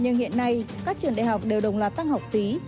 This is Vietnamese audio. nhưng hiện nay các trường đại học đều đồng loạt tăng học phí